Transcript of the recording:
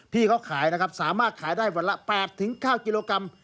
ที่เขาขายนะครับสามารถขายได้วันละ๘๙กิโลกรัม